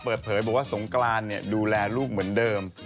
เปิดเผยบอกว่าสงกรานดูแลลูกเหมือนเดิม